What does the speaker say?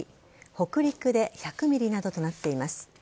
北陸で１００ｍｍなどとなっています。